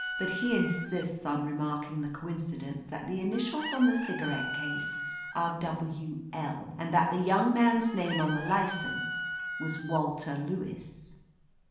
"But he insists on remark ing the coincidence that the initials on the cigarette case are W. L. and that the young man's name on the license was Walter Lewis."